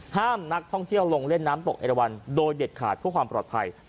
ห้ามนักท่องเที่ยวลงเล่นน้ำตกเอราวันโดยเด็ดขาดเพื่อความปลอดภัย